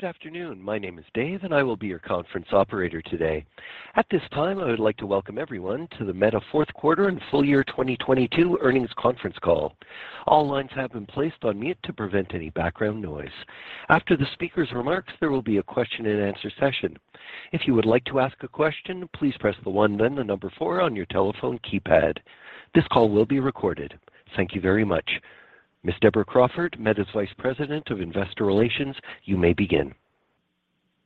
Good afternoon. My name is Dave, and I will be your conference operator today. At this time, I would like to welcome everyone to the Meta fourth quarter and full year 2022 earnings conference call. All lines have been placed on mute to prevent any background noise. After the speaker's remarks, there will be a question-and-answer session. If you would like to ask a question, please press one then four on your telephone keypad. This call will be recorded. Thank you very much. Ms. Deborah Crawford, Meta's Vice President of Investor Relations, you may begin.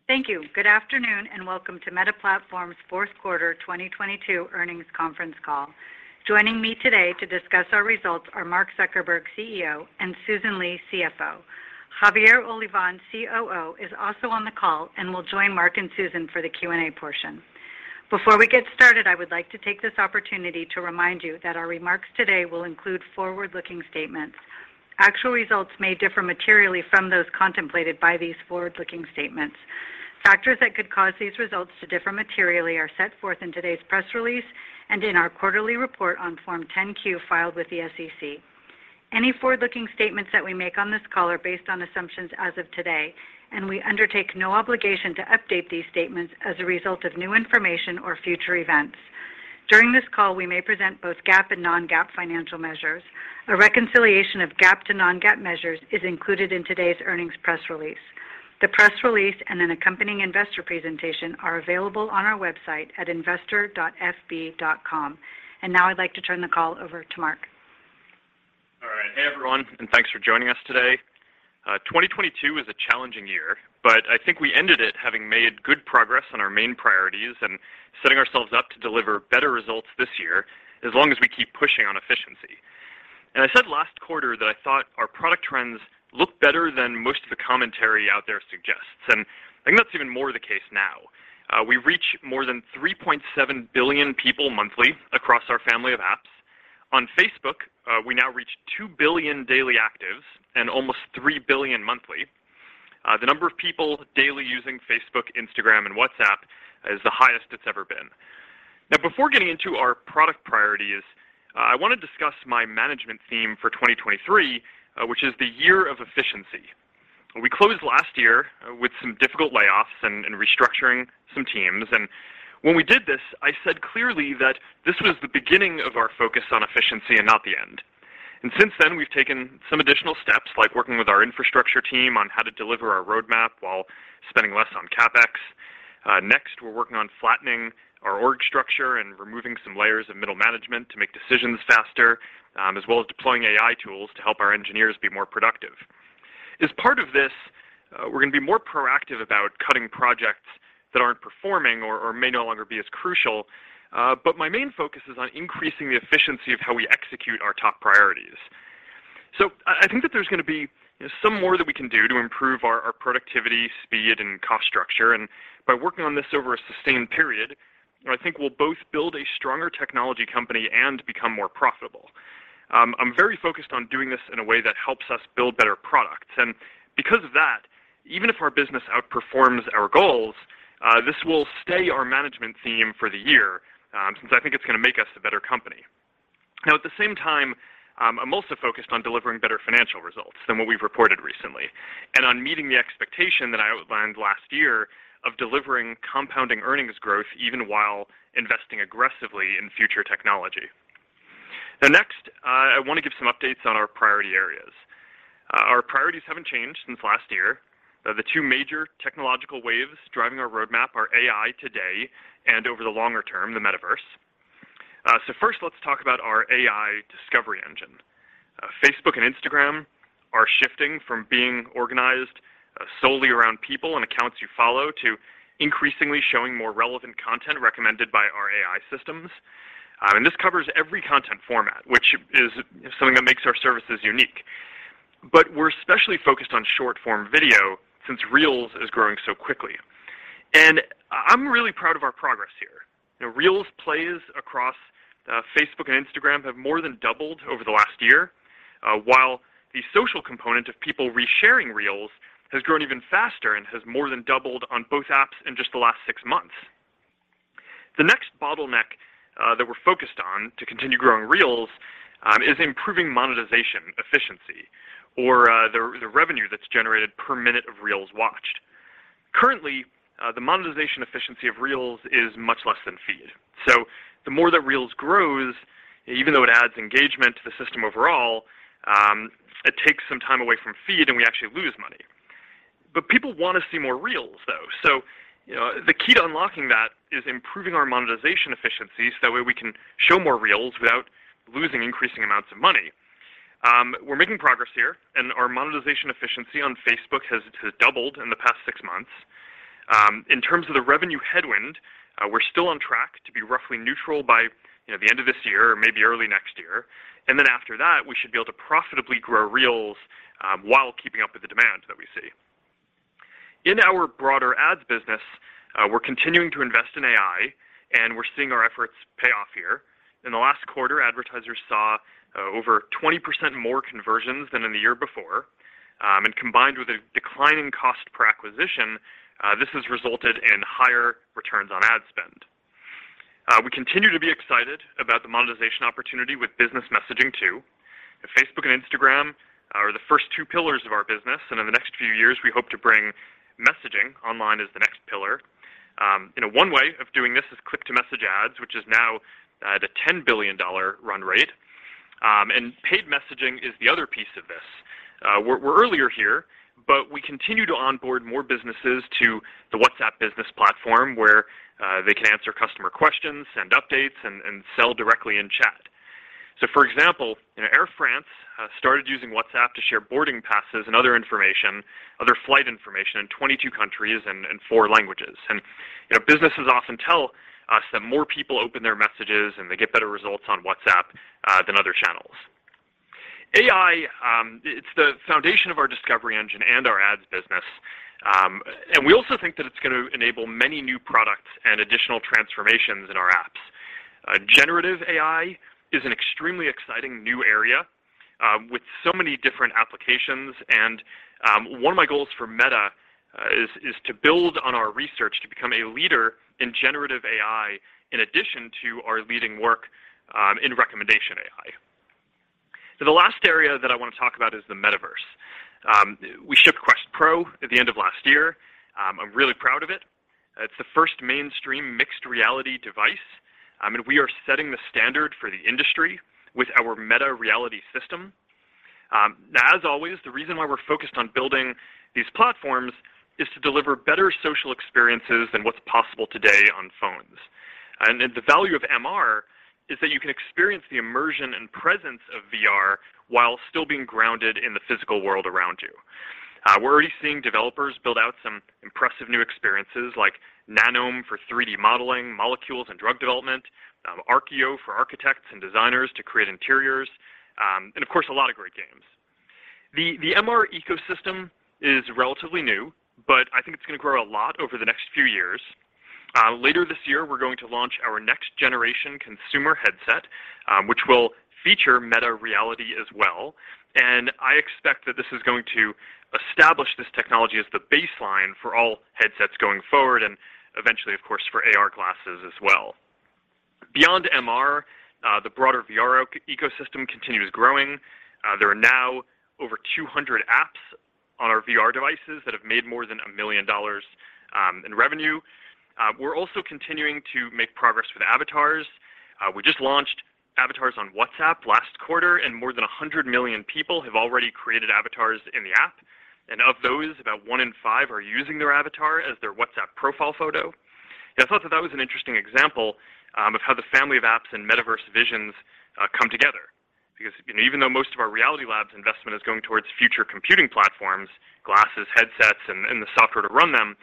Thank you. Good afternoon, and welcome to Meta Platforms' fourth quarter 2022 earnings conference call. Joining me today to discuss our results are Mark Zuckerberg, CEO, and Susan Li, CFO. Javier Olivan, COO, is also on the call and will join Mark and Susan for the Q&A portion. Before we get started, I would like to take this opportunity to remind you that our remarks today will include forward-looking statements. Actual results may differ materially from those contemplated by these forward-looking statements. Factors that could cause these results to differ materially are set forth in today's press release and in our quarterly report on Form 10-Q filed with the SEC. Any forward-looking statements that we make on this call are based on assumptions as of today, and we undertake no obligation to update these statements as a result of new information or future events. During this call, we may present both GAAP and non-GAAP financial measures. A reconciliation of GAAP to non-GAAP measures is included in today's earnings press release. The press release and an accompanying investor presentation are available on our website at investor.fb.com. Now, I'd like to turn the call over to Mark. All right. Hey, everyone, thanks for joining us today. 2022 was a challenging year, but I think we ended it having made good progress on our main priorities and setting ourselves up to deliver better results this year, as long as we keep pushing on efficiency. I said last quarter that I thought our product trends look better than most of the commentary out there suggests. I think that's even more the case now. We reach more than 3.7 billion people monthly across our Family of Apps. On Facebook, we now reach 2 billion daily actives and almost 3 billion monthly. The number of people daily using Facebook, Instagram, and WhatsApp is the highest it's ever been. Now, before getting into our product priorities, I wanna discuss my management theme for 2023, which is the year of efficiency. We closed last year with some difficult layoffs and restructuring some teams. When we did this, I said clearly that this was the beginning of our focus on efficiency and not the end. Since then, we've taken some additional steps like working with our infrastructure team on how to deliver our roadmap while spending less on CapEx. Next, we're working on flattening our org structure and removing some layers of middle management to make decisions faster, as well as deploying AI tools to help our engineers be more productive. As part of this, we're gonna be more proactive about cutting projects that aren't performing or may no longer be as crucial. My main focus is on increasing the efficiency of how we execute our top priorities. I think that there's gonna be some more that we can do to improve our productivity, speed, and cost structure. By working on this over a sustained period, I think we'll both build a stronger technology company and become more profitable. I'm very focused on doing this in a way that helps us build better products. Because of that, even if our business outperforms our goals, this will stay our management theme for the year, since I think it's gonna make us a better company. At the same time, I'm also focused on delivering better financial results than what we've reported recently and on meeting the expectation that I outlined last year of delivering compounding earnings growth even while investing aggressively in future technology. Next, I wanna give some updates on our priority areas. Our priorities haven't changed since last year. The two major technological waves driving our roadmap are AI today and over the longer term, the metaverse. First, let's talk about our AI discovery engine. Facebook and Instagram are shifting from being organized solely around people and accounts you follow to increasingly showing more relevant content recommended by our AI systems. This covers every content format, which is something that makes our services unique. We're especially focused on short-form video since Reels is growing so quickly. I'm really proud of our progress here. Reels plays across Facebook and Instagram have more than doubled over the last year, while the social component of people resharing Reels has grown even faster and has more than doubled on both apps in just the last six months. The next bottleneck that we're focused on to continue growing Reels is improving monetization efficiency, or the revenue that's generated per minute of Reels watched. Currently, the monetization efficiency of Reels is much less than Feed. The more that Reels grows, even though it adds engagement to the system overall, it takes some time away from Feed, and we actually lose money. People wanna see more Reels, though. You know, the key to unlocking that is improving our monetization efficiency, so that way we can show more Reels without losing increasing amounts of money. We're making progress here, and our monetization efficiency on Facebook has doubled in the past six months. In terms of the revenue headwind, we're still on track to be roughly neutral by the end of this year or maybe early next year. After that, we should be able to profitably grow Reels while keeping up with the demand that we see. In our broader ads business, we're continuing to invest in AI, and we're seeing our efforts pay off here. In the last quarter, advertisers saw over 20% more conversions than in the year before. Combined with a declining cost per acquisition, this has resulted in higher returns on ad spend. We continue to be excited about the monetization opportunity with business messaging too. Facebook and Instagram are the first two pillars of our business, in the next few years, we hope to bring messaging online as the next pillar. You know, one way of doing this is Click-to-Message ads, which is now at a $10 billion run rate. Paid messaging is the other piece of this. We're earlier here, but we continue to onboard more businesses to the WhatsApp Business Platform, where they can answer customer questions and updates and sell directly in chat. For example, Air France started using WhatsApp to share boarding passes and other information, other flight information in 22 countries and in four languages. You know, businesses often tell us that more people open their messages and they get better results on WhatsApp than other channels. AI, it's the foundation of our discovery engine and our ads business. We also think that it's going to enable many new products and additional transformations in our apps. Generative AI is an extremely exciting new area with so many different applications. One of my goals for Meta is to build on our research to become a leader in Generative AI, in addition to our leading work in recommendation AI. The last area that I want to talk about is the Metaverse. We shipped Quest Pro at the end of last year. I'm really proud of it. It's the first mainstream mixed reality device, and we are setting the standard for the industry with our Meta Reality system. As always, the reason why we're focused on building these platforms is to deliver better social experiences than what's possible today on phones. The value of MR is that you can experience the immersion and presence of VR while still being grounded in the physical world around you. We're already seeing developers build out some impressive new experiences like Nanome for 3D modeling, molecules and drug development, Arkio for architects and designers to create interiors. Of course, a lot of great games. The MR ecosystem is relatively new, I think it's going to grow a lot over the next few years. Later this year, we're going to launch our next-generation consumer headset, which will feature Meta Reality as well. I expect that this is going to establish this technology as the baseline for all headsets going forward and eventually, of course, for AR glasses as well. Beyond MR, the broader VR ecosystem continues growing. There are now over 200 apps on our VR devices that have made more than $1 million in revenue. We're also continuing to make progress with avatars. We just launched avatars on WhatsApp last quarter, more than 100 million people have already created avatars in the app. Of those, about one in five are using their avatar as their WhatsApp profile photo. I thought that was an interesting example of how the Family of Apps and Metaverse visions come together. Even though most of our Reality Labs investment is going towards future computing platforms, glasses, headsets, and the software to run them,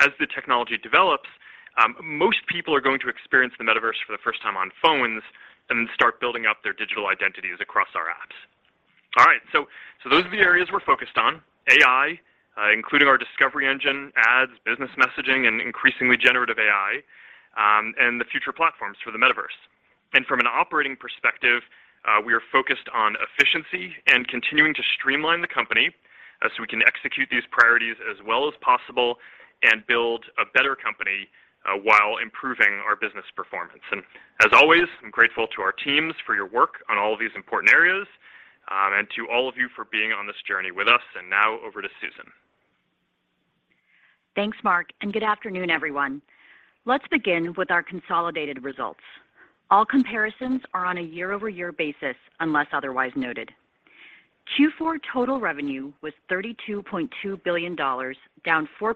as the technology develops, most people are going to experience the Metaverse for the first time on phones and then start building out their digital identities across our apps. All right. So those are the areas we're focused on. AI, including our discovery engine, ads, business messaging, and increasingly Generative AI, and the future platforms for the Metaverse. From an operating perspective, we are focused on efficiency and continuing to streamline the company so we can execute these priorities as well as possible and build a better company, while improving our business performance. As always, I'm grateful to our teams for your work on all of these important areas, and to all of you for being on this journey with us. Now over to Susan. Thanks, Mark, good afternoon, everyone. Let's begin with our consolidated results. All comparisons are on a year-over-year basis, unless otherwise noted. Q4 total revenue was $32.2 billion, down 4%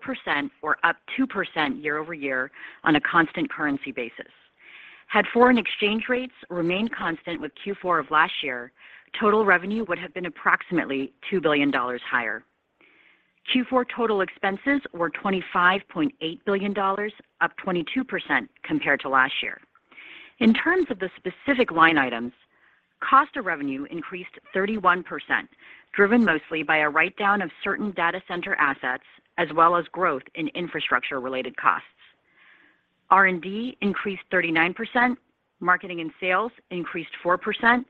or up 2% year-over-year on a constant currency basis. Had foreign exchange rates remained constant with Q4 of last year, total revenue would have been approximately $2 billion higher. Q4 total expenses were $25.8 billion, up 22% compared to last year. In terms of the specific line items, cost of revenue increased 31%, driven mostly by a write-down of certain data center assets as well as growth in infrastructure-related costs. R&D increased 39%, marketing and sales increased 4%,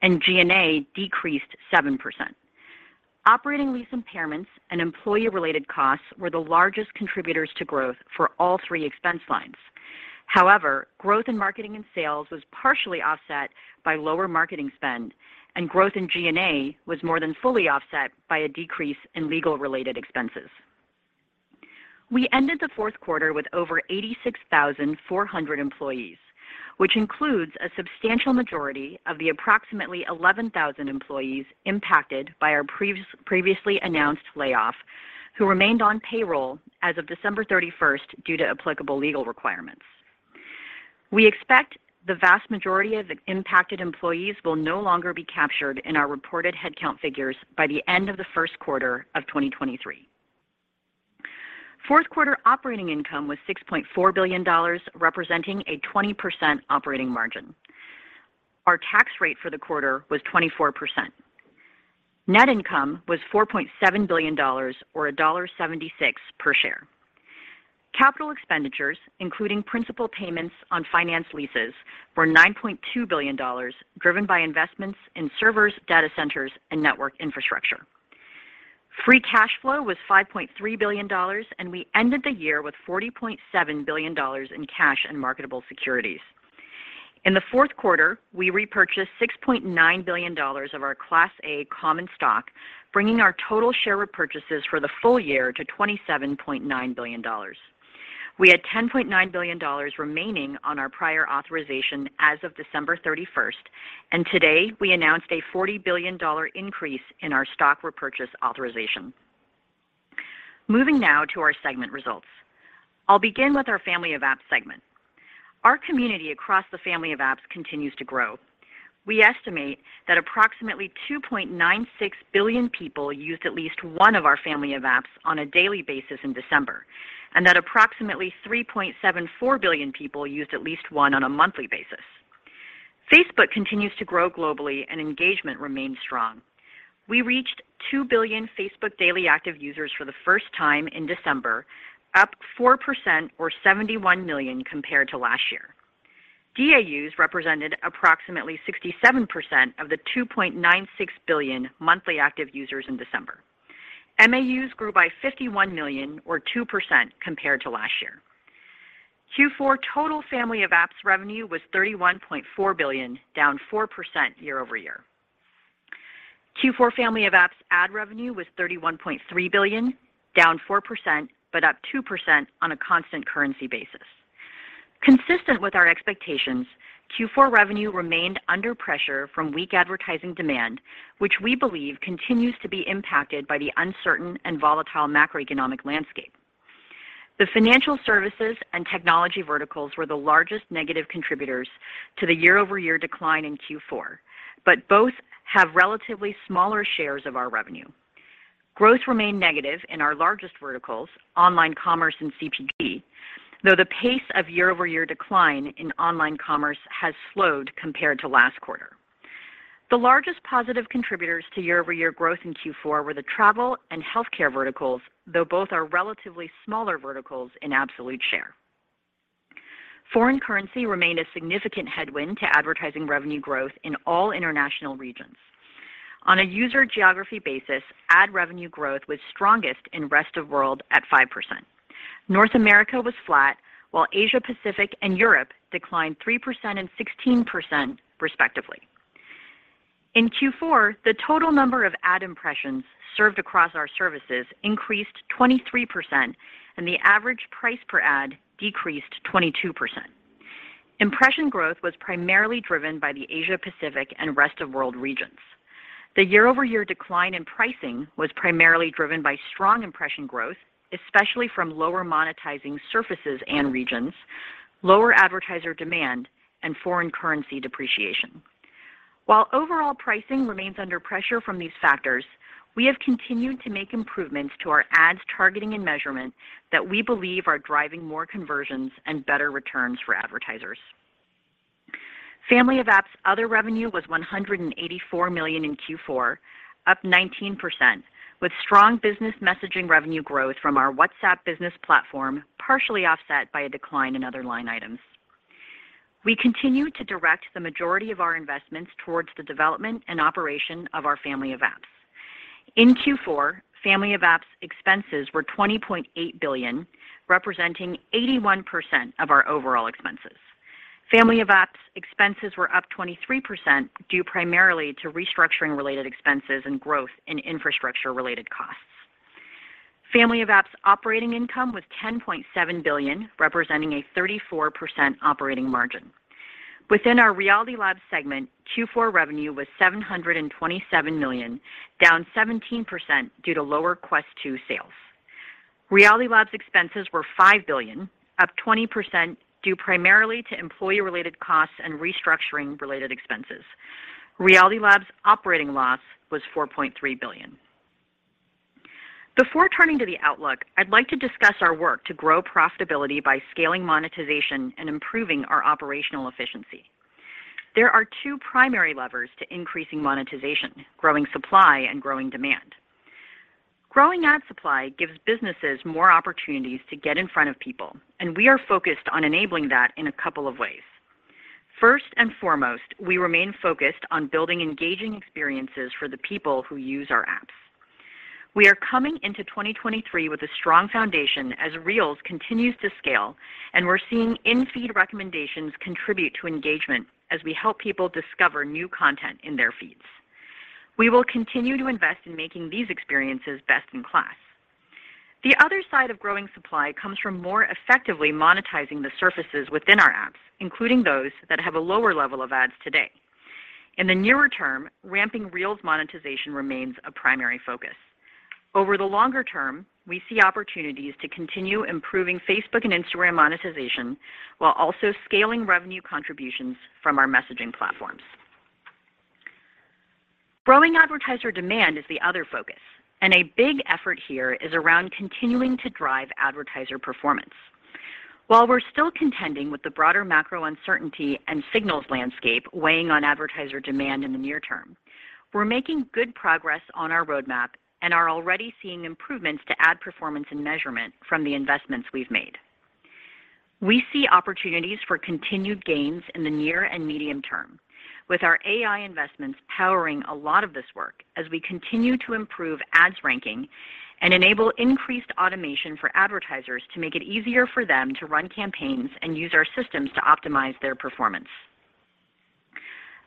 and G&A decreased 7%. Operating lease impairments and employee-related costs were the largest contributors to growth for all three expense lines. Growth in marketing and sales was partially offset by lower marketing spend, and growth in G&A was more than fully offset by a decrease in legal-related expenses. We ended the fourth quarter with over 86,400 employees, which includes a substantial majority of the approximately 11,000 employees impacted by our previously announced layoff, who remained on payroll as of December 31st due to applicable legal requirements. We expect the vast majority of impacted employees will no longer be captured in our reported headcount figures by the end of the first quarter of 2023. Fourth quarter operating income was $6.4 billion, representing a 20% operating margin. Our tax rate for the quarter was 24%. Net income was $4.7 billion or $1.76 per share. Capital expenditures, including principal payments on finance leases, were $9.2 billion, driven by investments in servers, data centers and network infrastructure. Free cash flow was $5.3 billion, and we ended the year with $40.7 billion in cash and marketable securities. In the fourth quarter, we repurchased $6.9 billion of our Class A common stock, bringing our total share repurchases for the full year to $27.9 billion. We had $10.9 billion remaining on our prior authorization as of December 31st, and today we announced a $40 billion increase in our stock repurchase authorization. Moving now to our segment results. I'll begin with our Family of Apps segment. Our community across the Family of Apps continues to grow. We estimate that approximately 2.96 billion people used at least one of our Family of Apps on a daily basis in December, and that approximately 3.74 billion people used at least one on a monthly basis. Facebook continues to grow globally and engagement remains strong. We reached 2 billion Facebook daily active users for the first time in December, up 4% or 71 million compared to last year. DAUs represented approximately 67% of the 2.96 billion monthly active users in December. MAUs grew by 51 million or 2% compared to last year. Q4 total Family of Apps revenue was $31.4 billion, down 4% year-over-year. Q4 Family of Apps ad revenue was $31.3 billion, down 4%, up 2% on a constant currency basis. Consistent with our expectations, Q4 revenue remained under pressure from weak advertising demand, which we believe continues to be impacted by the uncertain and volatile macroeconomic landscape. The financial services and technology verticals were the largest negative contributors to the year-over-year decline in Q4. Both have relatively smaller shares of our revenue. Growth remained negative in our largest verticals, online commerce and CPG, though the pace of year-over-year decline in online commerce has slowed compared to last quarter. The largest positive contributors to year-over-year growth in Q4 were the travel and healthcare verticals, though both are relatively smaller verticals in absolute share. Foreign currency remained a significant headwind to advertising revenue growth in all international regions. On a user geography basis, ad revenue growth was strongest in Rest of World at 5%. North America was flat, while Asia-Pacific and Europe declined 3% and 16%, respectively. In Q4, the total number of ad impressions served across our services increased 23%, and the average price per ad decreased 22%. Impression growth was primarily driven by the Asia-Pacific and Rest of World regions. The year-over-year decline in pricing was primarily driven by strong impression growth, especially from lower monetizing surfaces and regions, lower advertiser demand, and foreign currency depreciation. While overall pricing remains under pressure from these factors, we have continued to make improvements to our ads targeting and measurement that we believe are driving more conversions and better returns for advertisers. Family of Apps other revenue was $184 million in Q4, up 19%, with strong business messaging revenue growth from our WhatsApp Business Platform, partially offset by a decline in other line items. We continue to direct the majority of our investments towards the development and operation of our Family of Apps. In Q4, Family of Apps expenses were $20.8 billion, representing 81% of our overall expenses. Family of Apps expenses were up 23% due primarily to restructuring-related expenses and growth in infrastructure-related costs. Family of Apps' operating income was $10.7 billion, representing a 34% operating margin. Within our Reality Labs segment, Q4 revenue was $727 million, down 17% due to lower Quest 2 sales. Reality Labs expenses were $5 billion, up 20% due primarily to employee-related costs and restructuring-related expenses. Reality Labs' operating loss was $4.3 billion. Before turning to the outlook, I'd like to discuss our work to grow profitability by scaling monetization and improving our operational efficiency. There are two primary levers to increasing monetization: growing supply and growing demand. Growing ad supply gives businesses more opportunities to get in front of people, and we are focused on enabling that in a couple of ways. First and foremost, we remain focused on building engaging experiences for the people who use our apps. We are coming into 2023 with a strong foundation as Reels continues to scale, and we're seeing in-feed recommendations contribute to engagement as we help people discover new content in their feeds. We will continue to invest in making these experiences best in class. The other side of growing supply comes from more effectively monetizing the surfaces within our apps, including those that have a lower level of ads today. In the nearer term, ramping Reels monetization remains a primary focus. Over the longer term, we see opportunities to continue improving Facebook and Instagram monetization while also scaling revenue contributions from our messaging platforms. Growing advertiser demand is the other focus, and a big effort here is around continuing to drive advertiser performance. While we're still contending with the broader macro uncertainty and signals landscape weighing on advertiser demand in the near term, we're making good progress on our roadmap and are already seeing improvements to ad performance and measurement from the investments we've made. We see opportunities for continued gains in the near and medium term, with our AI investments powering a lot of this work as we continue to improve ads ranking and enable increased automation for advertisers to make it easier for them to run campaigns and use our systems to optimize their performance.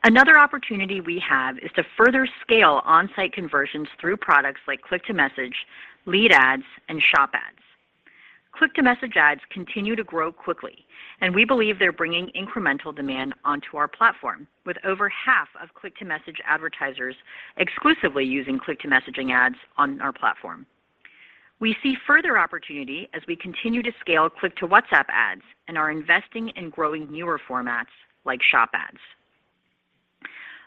Another opportunity we have is to further scale on-site conversions through products like Click-to-Message, Lead Ads, and Shop ads. Click-to-Message ads continue to grow quickly. We believe they're bringing incremental demand onto our platform, with over half of Click-to-Message advertisers exclusively using Click-to-Messaging ads on our platform. We see further opportunity as we continue to scale Click-to-WhatsApp ads and are investing in growing newer formats like Shop ads.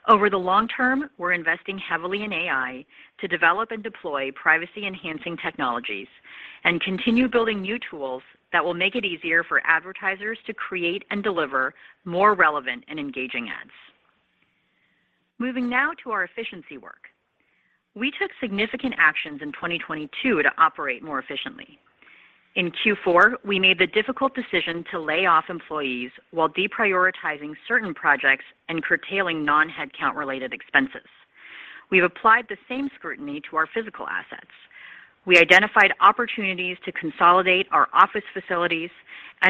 Over the long term, we're investing heavily in AI to develop and deploy privacy-enhancing technologies and continue building new tools that will make it easier for advertisers to create and deliver more relevant and engaging ads. Moving now to our efficiency work. We took significant actions in 2022 to operate more efficiently. In Q4, we made the difficult decision to lay off employees while deprioritizing certain projects and curtailing non-headcount-related expenses. We've applied the same scrutiny to our physical assets. We identified opportunities to consolidate our office facilities.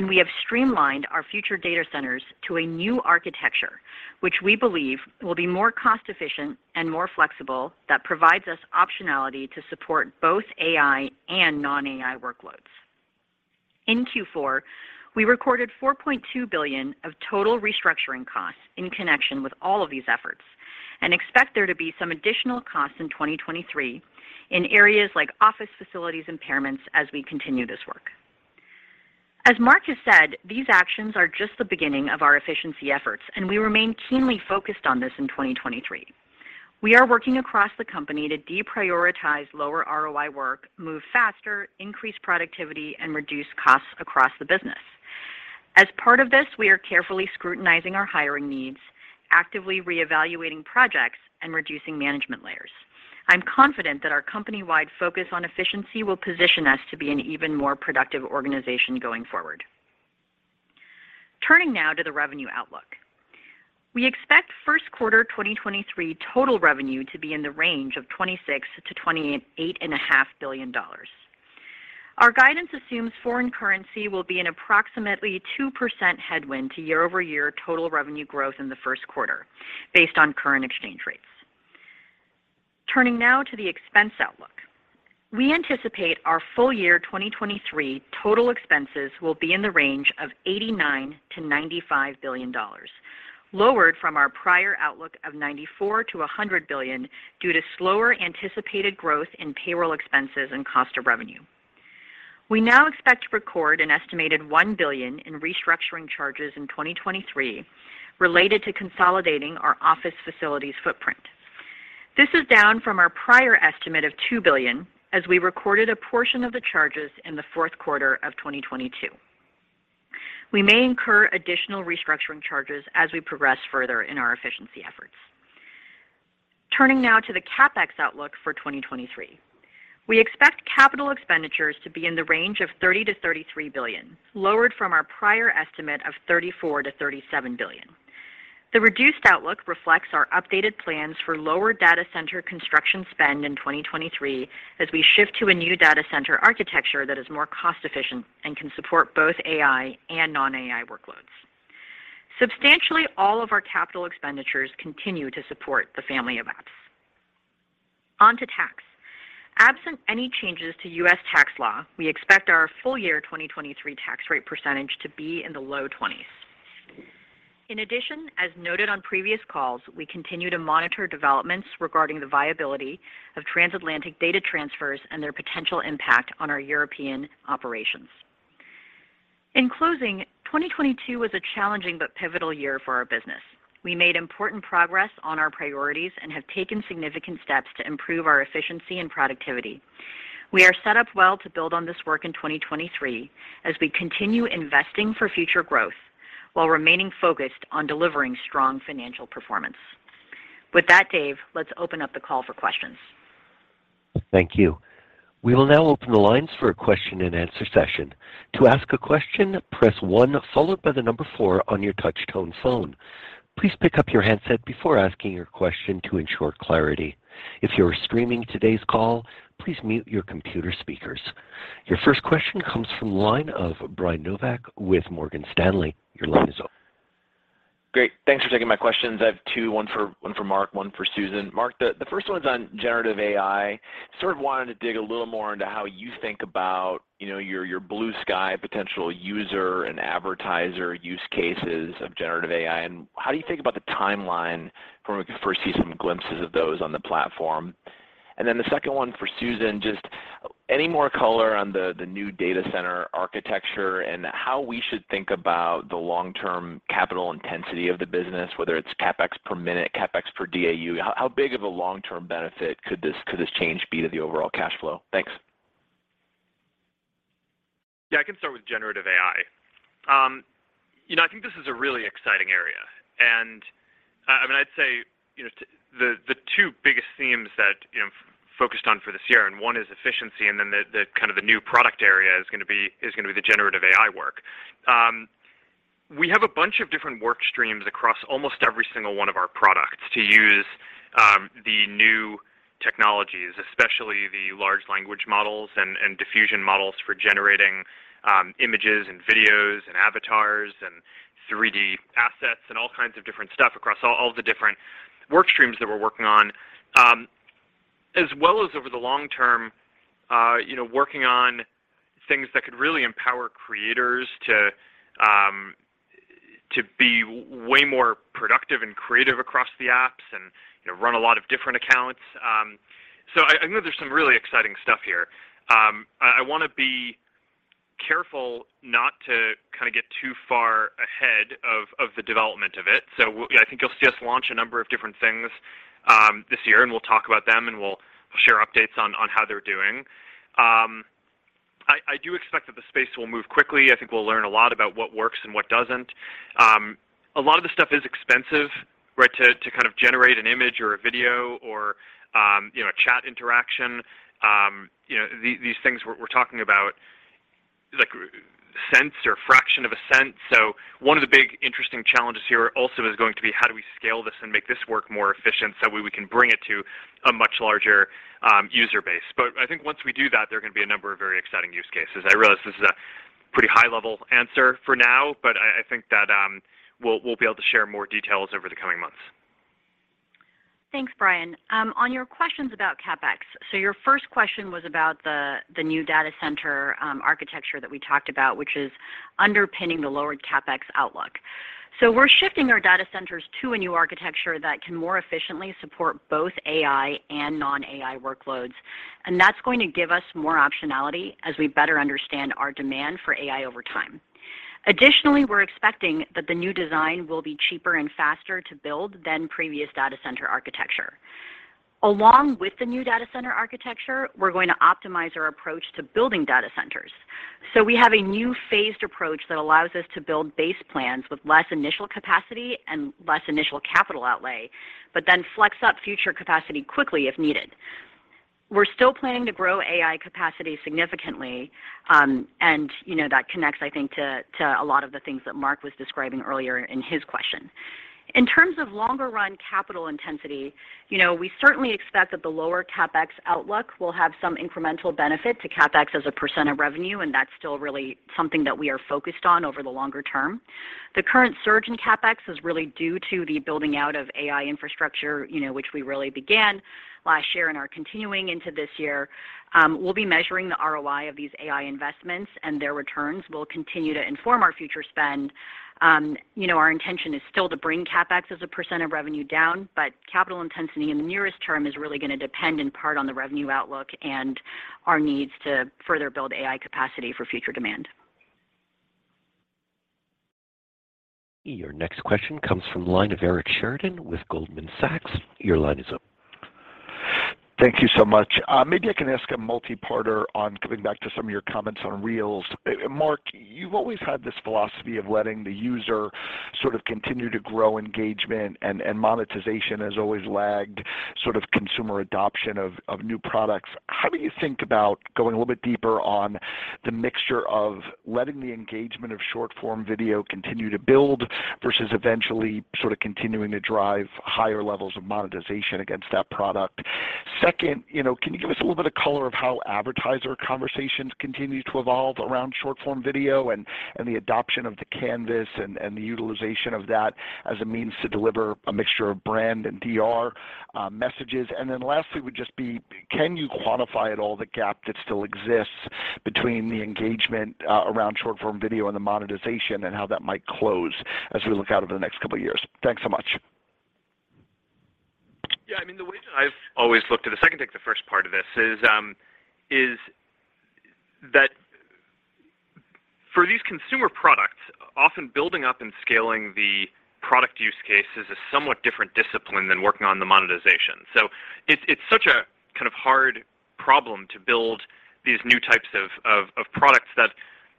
We have streamlined our future data centers to a new architecture, which we believe will be more cost-efficient and more flexible, that provides us optionality to support both AI and non-AI workloads. In Q4, we recorded $4.2 billion of total restructuring costs in connection with all of these efforts and expect there to be some additional costs in 2023 in areas like office facilities impairments as we continue this work. As Mark has said, these actions are just the beginning of our efficiency efforts. We remain keenly focused on this in 2023. We are working across the company to deprioritize lower ROI work, move faster, increase productivity, and reduce costs across the business. As part of this, we are carefully scrutinizing our hiring needs, actively reevaluating projects, and reducing management layers. I'm confident that our company-wide focus on efficiency will position us to be an even more productive organization going forward. Turning now to the revenue outlook. We expect first quarter 2023 total revenue to be in the range of $26 billion-$28.5 billion. Our guidance assumes foreign currency will be an approximately 2% headwind to year-over-year total revenue growth in the first quarter based on current exchange rates. Turning now to the expense outlook. We anticipate our full year 2023 total expenses will be in the range of $89 billion-$95 billion, lowered from our prior outlook of $94 billion-$100 billion due to slower anticipated growth in payroll expenses and cost of revenue. We now expect to record an estimated $1 billion in restructuring charges in 2023 related to consolidating our office facilities footprint. This is down from our prior estimate of $2 billion as we recorded a portion of the charges in the fourth quarter of 2022. We may incur additional restructuring charges as we progress further in our efficiency efforts. Turning now to the CapEx outlook for 2023. We expect capital expenditures to be in the range of $30 billion-$33 billion, lowered from our prior estimate of $34 billion-$37 billion. The reduced outlook reflects our updated plans for lower data center construction spend in 2023 as we shift to a new data center architecture that is more cost-efficient and can support both AI and non-AI workloads. Substantially all of our capital expenditures continue to support the Family of Apps. On to tax. Absent any changes to U.S. tax law, we expect our full-year 2023 tax rate percentage to be in the low-20s. As noted on previous calls, we continue to monitor developments regarding the viability of transatlantic data transfers and their potential impact on our European operations. 2022 was a challenging but pivotal year for our business. We made important progress on our priorities and have taken significant steps to improve our efficiency and productivity. We are set up well to build on this work in 2023 as we continue investing for future growth while remaining focused on delivering strong financial performance. Dave, let's open up the call for questions. Thank you. We will now open the lines for a question-and-answer session. To ask a question, press one followed by the number four on your touch-tone phone. Please pick up your handset before asking your question to ensure clarity. If you are streaming today's call, please mute your computer speakers. Your first question comes from the line of Brian Nowak with Morgan Stanley. Your line is open. Great. Thanks for taking my questions. I have two. One for Mark, one for Susan. Mark, the first one's on Generative AI. Sort of wanted to dig a little more into how you think about, you know, your blue-sky potential user and advertiser use cases of Generative AI, and how do you think about the timeline for when we could first see some glimpses of those on the platform? Then the second one for Susan, just any more color on the new data center architecture and how we should think about the long-term capital intensity of the business, whether it's CapEx per minute, CapEx per DAU. How big of a long-term benefit could this, could this change be to the overall cash flow? Thanks. Yeah, I can start with Generative AI. You know, I think this is a really exciting area. I mean, I'd say, you know, the two biggest themes that, you know, focused on for this year, and one is efficiency, and then the kind of the new product area is gonna be the generative AI work. We have a bunch of different work streams across almost every single one of our products to use, the new technologies, especially the large language models and diffusion models for generating, images and videos and avatars and 3D assets and all kinds of different stuff across all the different work streams that we're working on. As well as over the long term, you know, working on things that could really empower creators to be way more productive and creative across the apps and, you know, run a lot of different accounts. I know there's some really exciting stuff here. I wanna be careful not to kinda get too far ahead of the development of it. I think you'll see us launch a number of different things this year, and we'll talk about them, and we'll share updates on how they're doing. I do expect that the space will move quickly. I think we'll learn a lot about what works and what doesn't. A lot of the stuff is expensive, right, to kind of generate an image or a video or, you know, a chat interaction. You know, these things we're talking about, like, cents or fraction of a cent. One of the big interesting challenges here also is going to be how do we scale this and make this work more efficient, so that way we can bring it to a much larger, user base. I think once we do that, there are gonna be a number of very exciting use cases. I realize this is a pretty high-level answer for now, but I think that, we'll be able to share more details over the coming months. Thanks, Brian. On your questions about CapEx. Your first question was about the new data center architecture that we talked about, which is underpinning the lowered CapEx outlook. We're shifting our data centers to a new architecture that can more efficiently support both AI and non-AI workloads, and that's going to give us more optionality as we better understand our demand for AI over time. Additionally, we're expecting that the new design will be cheaper and faster to build than previous data center architecture. Along with the new data center architecture, we're going to optimize our approach to building data centers. We have a new phased approach that allows us to build base plans with less initial capacity and less initial capital outlay, but then flex up future capacity quickly if needed. We're still planning to grow AI capacity significantly. You know, that connects, I think, to a lot of the things that Mark was describing earlier in his question. In terms of longer run capital intensity, you know, we certainly expect that the lower CapEx outlook will have some incremental benefit to CapEx as a percent of revenue. That's still really something that we are focused on over the longer term. The current surge in CapEx is really due to the building out of AI infrastructure, you know, which we really began last year and are continuing into this year. We'll be measuring the ROI of these AI investments. Their returns will continue to inform our future spend. You know, our intention is still to bring CapEx as a percent of revenue down, but capital intensity in the nearest term is really gonna depend in part on the revenue outlook and our needs to further build AI capacity for future demand. Your next question comes from the line of Eric Sheridan with Goldman Sachs. Your line is open. Thank you so much. Maybe I can ask a multi-parter on coming back to some of your comments on Reels. Mark, you've always had this philosophy of letting the user sort of continue to grow engagement and monetization has always lagged sort of consumer adoption of new products. How do you think about going a little bit deeper on the mixture of letting the engagement of short-form video continue to build versus eventually sort of continuing to drive higher levels of monetization against that product? Second, you know, can you give us a little bit of color of how advertiser conversations continue to evolve around short-form video and the adoption of the canvas and the utilization of that as a means to deliver a mixture of brand and DR messages? Lastly would just be, can you quantify at all the gap that still exists between the engagement, around short-form video and the monetization and how that might close as we look out over the next couple of years? Thanks so much. I mean, the way that I've always looked at this, I can take the first part of this, is that for these consumer products, often building up and scaling the product use case is a somewhat different discipline than working on the monetization. It's such a kind of hard problem to build these new types of products that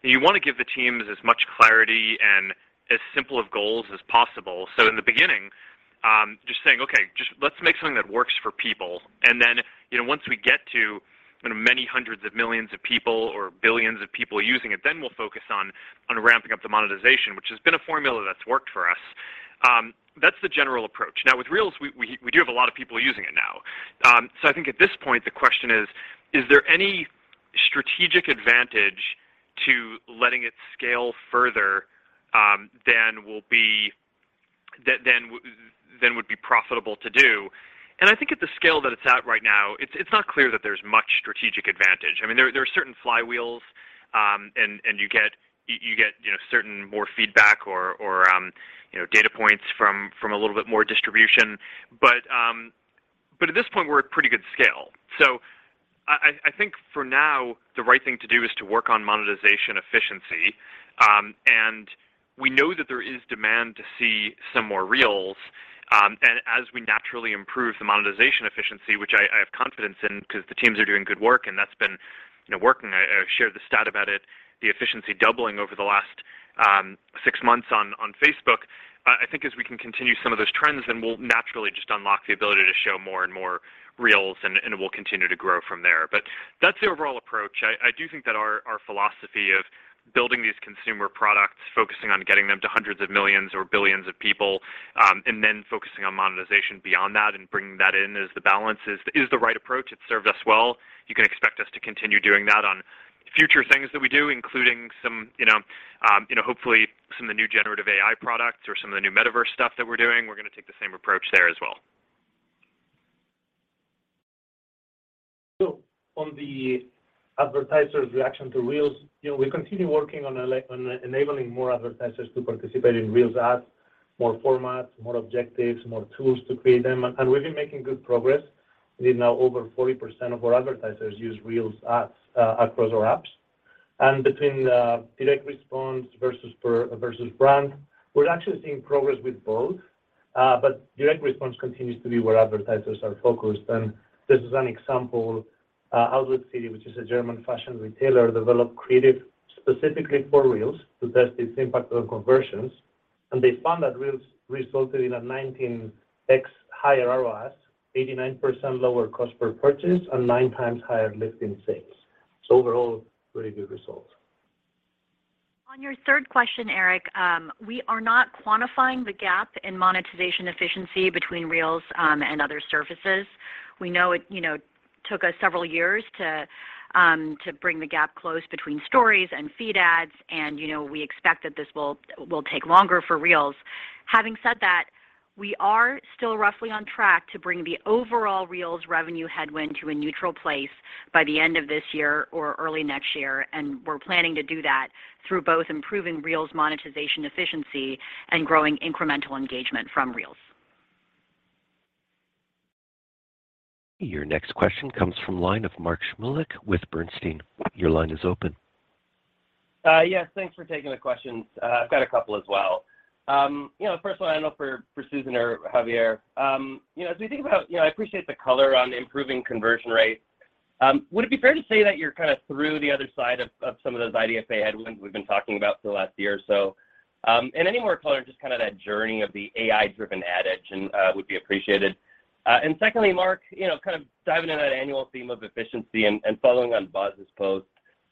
you wanna give the teams as much clarity and as simple of goals as possible. In the beginning, just saying, "Okay, just let's make something that works for people." You know, once we get to, you know, many hundreds of millions of people or billions of people using it, then we'll focus on ramping up the monetization, which has been a formula that's worked for us. That's the general approach. Now, with Reels, we do have a lot of people using it now. I think at this point the question is there any strategic advantage to letting it scale further than would be profitable to do? I think at the scale that it's at right now, it's not clear that there's much strategic advantage. I mean, there are certain flywheels, and you get, you know, certain more feedback or, you know, data points from a little bit more distribution. But at this point we're at pretty good scale. I think for now the right thing to do is to work on monetization efficiency. We know that there is demand to see some more Reels. As we naturally improve the monetization efficiency, which I have confidence in because the teams are doing good work, and that's been, you know, working. I shared the stat about it, the efficiency doubling over the last 6 months on Facebook. I think as we can continue some of those trends, then we'll naturally just unlock the ability to show more and more Reels, and it will continue to grow from there. That's the overall approach. I do think that our philosophy of building these consumer products, focusing on getting them to hundreds of millions or billions of people, and then focusing on monetization beyond that and bringing that in as the balance is the right approach. It's served us well. You can expect us to continue doing that on future things that we do, including some, you know, you know, hopefully some of the new Generative AI products or some of the new metaverse stuff that we're doing. We're gonna take the same approach there as well. On the advertisers' reaction to Reels, you know, we continue working on enabling more advertisers to participate in Reels ads, more formats, more objectives, more tools to create them, and we've been making good progress. I believe now over 40% of our advertisers use Reels ads across our apps. Between direct response versus brand, we're actually seeing progress with both. But direct response continues to be where advertisers are focused. This is an example, Outletcity, which is a German fashion retailer, developed creative specifically for Reels to test its impact on conversions. They found that Reels resulted in a 19x higher ROAS, 89% lower cost per purchase, and 9 times higher lift in sales. Overall, pretty good results. On your third question, Eric, we are not quantifying the gap in monetization efficiency between Reels and other services. We know it, you know, took us several years to bring the gap close between Stories and feed ads and, you know, we expect that this will take longer for Reels. Having said that, we are still roughly on track to bring the overall Reels revenue headwind to a neutral place by the end of this year or early next year, and we're planning to do that through both improving Reels monetization efficiency and growing incremental engagement from Reels. Your next question comes from line of Mark Shmulik with Bernstein. Your line is open. Yes, thanks for taking the questions. I've got a couple as well. You know, first one I know for Susan or Javier. You know, as we think about, you know, I appreciate the color on improving conversion rates. Would it be fair to say that you're kind of through the other side of some of those IDFA headwinds we've been talking about for the last year or so? Any more color, just kind of that journey of the AI-driven ad edge, and would be appreciated. Secondly, Mark, you know, kind of diving into that annual theme of efficiency and following on Boz's post,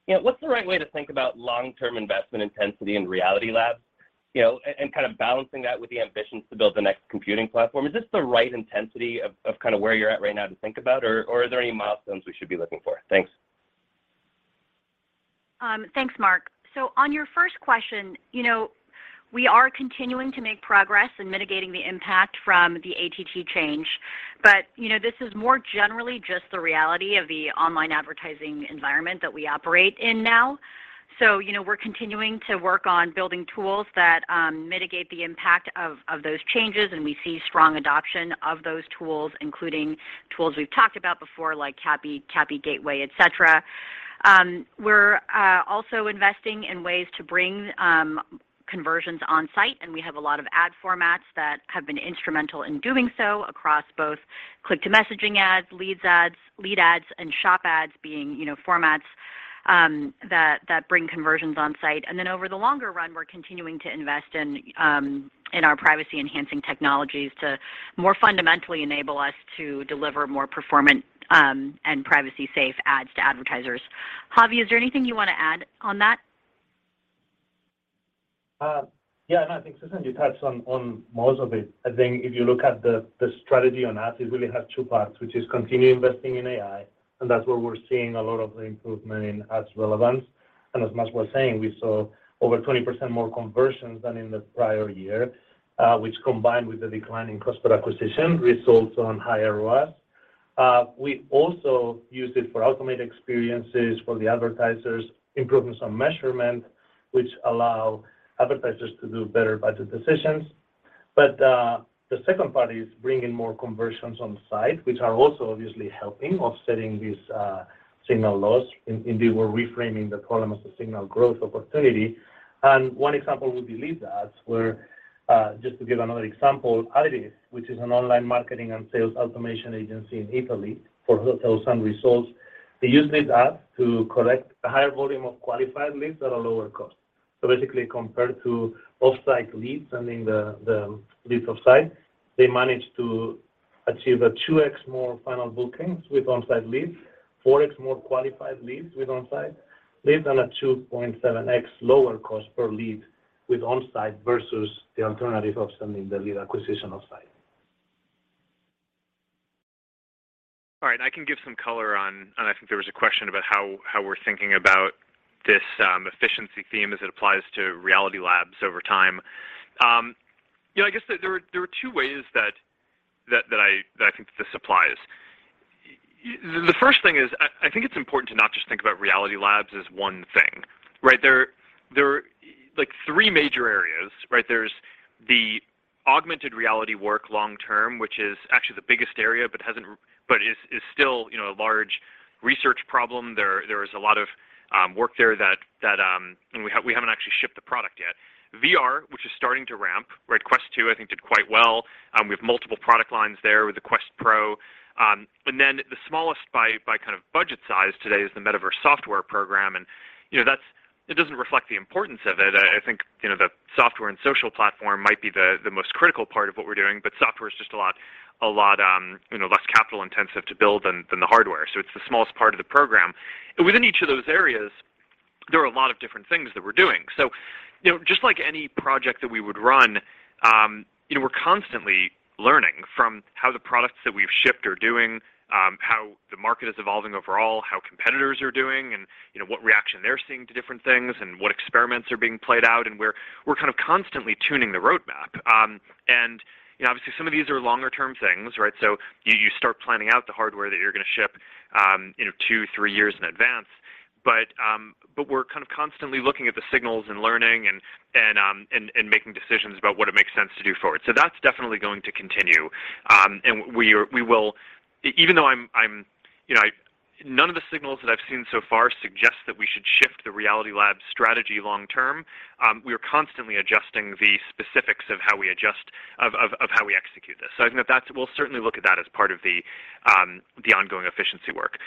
you know, what's the right way to think about long-term investment intensity in Reality Labs? You know, and kind of balancing that with the ambitions to build the next computing platform. Is this the right intensity of kind of where you're at right now to think about, or are there any milestones we should be looking for? Thanks. Thanks, Mark. On your first question, you know, we are continuing to make progress in mitigating the impact from the ATT change. You know, this is more generally just the reality of the online advertising environment that we operate in now. You know, we're continuing to work on building tools that mitigate the impact of those changes, and we see strong adoption of those tools, including tools we've talked about before, like CAPI Gateway, et cetera. We're also investing in ways to bring conversions on site, and we have a lot of ad formats that have been instrumental in doing so across both Click-to-Message ads, Lead Ads, and Shop ads being, you know, formats that bring conversions on site. Over the longer run, we're continuing to invest in our privacy-enhancing technologies to more fundamentally enable us to deliver more performant and privacy-safe ads to advertisers. Javi, is there anything you wanna add on that? Yeah. No, I think, Susan, you touched on most of it. I think if you look at the strategy on ads, it really has two parts, which is continue investing in AI, and that's where we're seeing a lot of the improvement in ads relevance. As Mark was saying, we saw over 20% more conversions than in the prior year, which combined with the decline in customer acquisition results on higher ROAS. We also used it for automated experiences for the advertisers, improvements on measurement, which allow advertisers to do better budget decisions. The second part is bringing more conversions on site, which are also obviously helping offsetting these signal loss. Indeed, we're reframing the problem as a signal growth opportunity. One example would be Lead Ads, where, just to give another example, IDeaS, which is an online marketing and sales automation agency in Italy for hotels and resorts, they use these ads to collect a higher volume of qualified leads at a lower cost. Basically, compared to off-site leads, sending the leads offsite, they managed to achieve a 2x more final bookings with on-site leads, 4x more qualified leads with on-site leads, and a 2.7x lower cost per lead with on-site versus the alternative of sending the lead acquisition offsite. All right. I can give some color on how we're thinking about this efficiency theme as it applies to Reality Labs over time. You know, I guess there are two ways that I think this applies. The first thing is I think it's important to not just think about Reality Labs as one thing, right? There are like three major areas, right? There's the augmented reality work long term, which is actually the biggest area, but is still, you know, a large research problem. There is a lot of work there that we haven't actually shipped the product yet. VR, which is starting to ramp, right? Quest 2, I think did quite well. We have multiple product lines there with the Quest Pro. The smallest by kind of budget size today is the Metaverse software program. You know, it doesn't reflect the importance of it. I think, you know, the software and social platform might be the most critical part of what we're doing, but software is just a lot, you know, less capital-intensive to build than the hardware. It's the smallest part of the program. Within each of those areas, there are a lot of different things that we're doing. You know, just like any project that we would run, you know, we're constantly learning from how the products that we've shipped are doing, how the market is evolving overall, how competitors are doing and, you know, what reaction they're seeing to different things and what experiments are being played out. We're kind of constantly tuning the roadmap. You know, obviously some of these are longer-term things, right? You, you start planning out the hardware that you're gonna ship, you know, two, three years in advance. We're kind of constantly looking at the signals and learning and making decisions about what it makes sense to do forward. That's definitely going to continue. None of the signals that I've seen so far suggest that we should shift the Reality Labs strategy long term. We are constantly adjusting the specifics of how we execute this. I think that's, we'll certainly look at that as part of the ongoing efficiency work.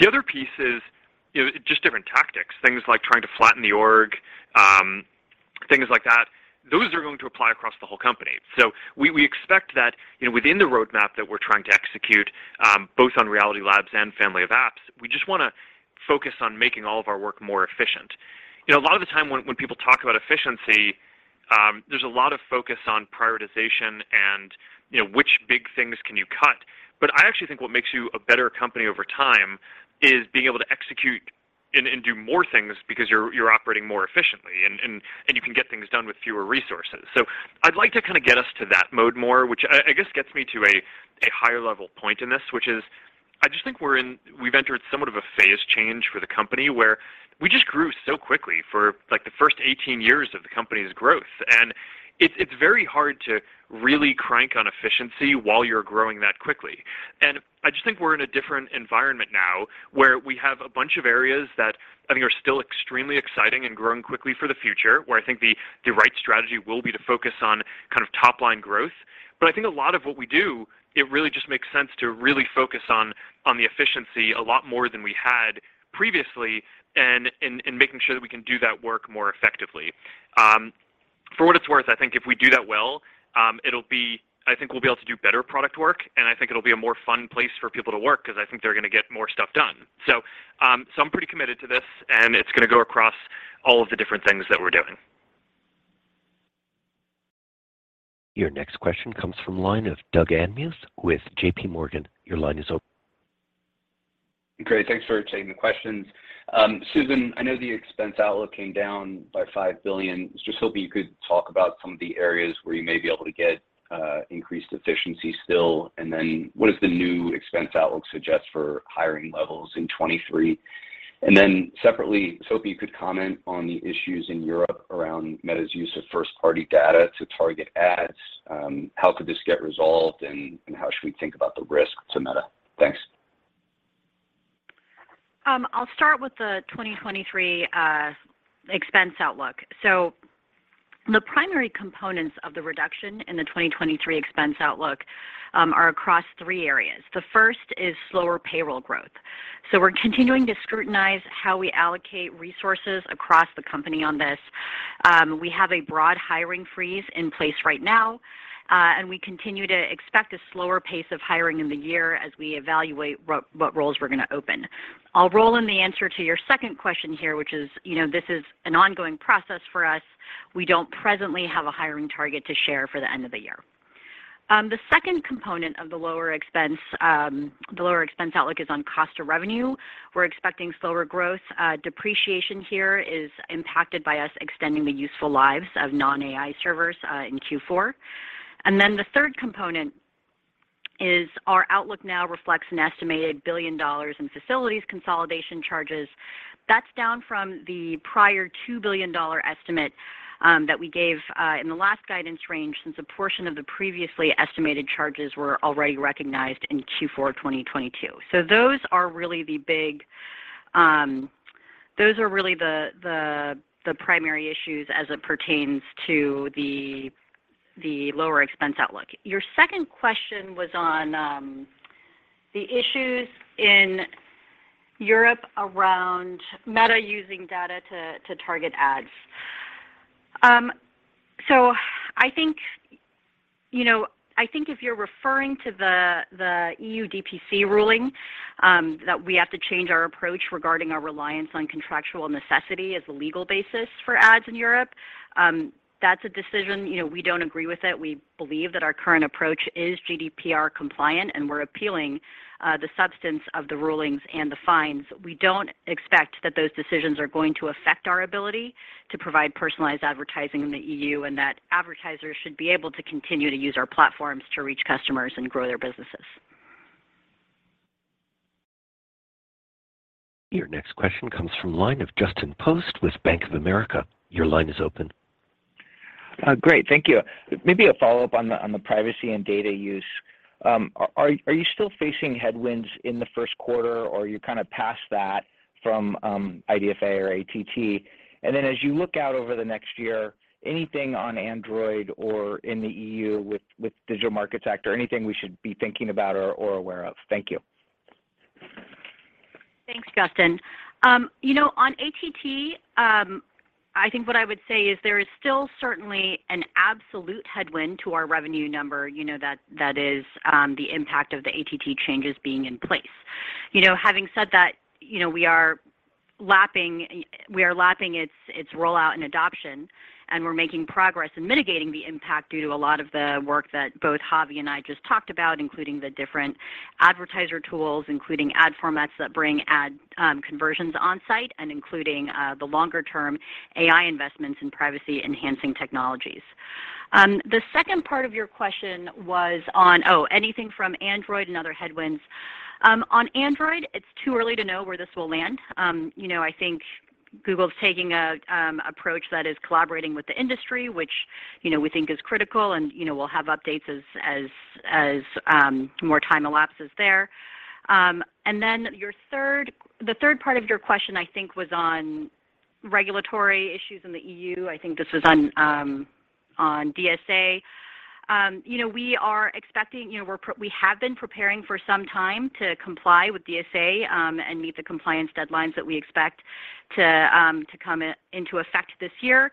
The other piece is, you know, just different tactics, things like trying to flatten the org, things like that. Those are going to apply across the whole company. We expect that, you know, within the roadmap that we're trying to execute, both on Reality Labs and Family of Apps, we just wanna focus on making all of our work more efficient. You know, a lot of the time when people talk about efficiency, there's a lot of focus on prioritization and, you know, which big things can you cut. I actually think what makes you a better company over time is being able to execute and do more things because you're operating more efficiently and you can get things done with fewer resources. I'd like to kind of get us to that mode more, which I guess gets me to a higher level point in this, which is, I just think we've entered somewhat of a phase change for the company where we just grew so quickly for like the first 18 years of the company's growth. It's very hard to really crank on efficiency while you're growing that quickly. I just think we're in a different environment now where we have a bunch of areas that I think are still extremely exciting and growing quickly for the future, where I think the right strategy will be to focus on kind of top-line growth. I think a lot of what we do, it really just makes sense to really focus on the efficiency a lot more than we had previously and making sure that we can do that work more effectively. For what it's worth, I think if we do that well, I think we'll be able to do better product work, and I think it'll be a more fun place for people to work because I think they're gonna get more stuff done. I'm pretty committed to this, and it's gonna go across all of the different things that we're doing. Your next question comes from line of Doug Anmuth with JPMorgan. Your line is open. Great. Thanks for taking the questions. Susan, I know the expense outlook came down by $5 billion. Just hoping you could talk about some of the areas where you may be able to get increased efficiency still. What does the new expense outlook suggest for hiring levels in 2023? Separately, hope you could comment on the issues in Europe around Meta's use of first-party data to target ads. How could this get resolved and how should we think about the risk to Meta? Thanks. I'll start with the 2023 expense outlook. The primary components of the reduction in the 2023 expense outlook are across three areas. The first is slower payroll growth. We're continuing to scrutinize how we allocate resources across the company on this. We have a broad hiring freeze in place right now, and we continue to expect a slower pace of hiring in the year as we evaluate what roles we're gonna open. I'll roll in the answer to your second question here, which is, you know, this is an ongoing process for us. We don't presently have a hiring target to share for the end of the year. The second component of the lower expense, the lower expense outlook is on cost of revenue. We're expecting slower growth. Depreciation here is impacted by us extending the useful lives of non-AI servers in Q4. The third component is our outlook now reflects an estimated $1 billion in facilities consolidation charges. That's down from the prior $2 billion estimate that we gave in the last guidance range since a portion of the previously estimated charges were already recognized in Q4 2022. Those are really the big. Those are really the primary issues as it pertains to the lower expense outlook. Your second question was on the issues in Europe around Meta using data to target ads. I think, you know, I think if you're referring to the EU DPC ruling that we have to change our approach regarding our reliance on contractual necessity as a legal basis for ads in Europe, that's a decision, you know, we don't agree with it. We believe that our current approach is GDPR compliant. We're appealing the substance of the rulings and the fines. We don't expect that those decisions are going to affect our ability to provide personalized advertising in the EU. Advertisers should be able to continue to use our platforms to reach customers and grow their businesses. Your next question comes from line of Justin Post with Bank of America. Your line is open. Great. Thank you. Maybe a follow-up on the privacy and data use. Are you still facing headwinds in the first quarter or are you kinda past that from IDFA or ATT? Then as you look out over the next year, anything on Android or in the EU with Digital Markets Act, or anything we should be thinking about or aware of? Thank you. Thanks, Justin. You know, on ATT, I think what I would say is there is still certainly an absolute headwind to our revenue number, you know, that is the impact of the ATT changes being in place. You know, having said that, you know, we are lapping its rollout and adoption, and we're making progress in mitigating the impact due to a lot of the work that both Javi and I just talked about, including the different advertiser tools, including ad formats that bring ad conversions on-site, and including the longer term AI investments in privacy-enhancing technologies. The second part of your question was on anything from Android and other headwinds. On Android, it's too early to know where this will land. You know, I think Google's taking a approach that is collaborating with the industry, which, you know, we think is critical and, you know, we'll have updates as more time elapses there. The third part of your question, I think, was on regulatory issues in the EU. I think this was on on DSA. You know, we have been preparing for some time to comply with DSA and meet the compliance deadlines that we expect to come into effect this year.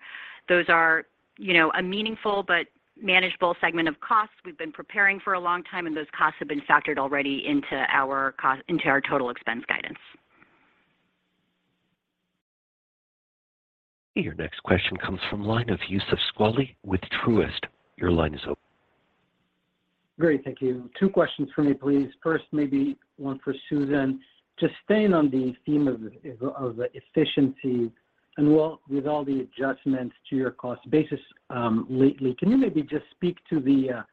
Those are, you know, a meaningful but manageable segment of costs we've been preparing for a long time, and those costs have been factored already into our total expense guidance. Your next question comes from line of Youssef Squali with Truist. Your line is open. Great, thank you. Two questions for me, please. First, maybe one for Susan. To stay on the theme of efficiency and with all the adjustments to your cost basis, lately, can you maybe just speak to the